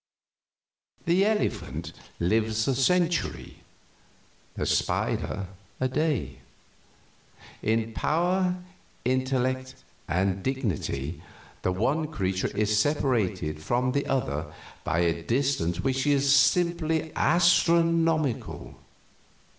"The elephant lives a century, the red spider a day; in power, intellect, and dignity the one creature is separated from the other by a distance which is simply astronomical.